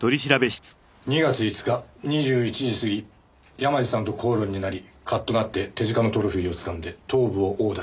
２月５日２１時過ぎ山路さんと口論になりカッとなって手近なトロフィーをつかんで頭部を殴打した。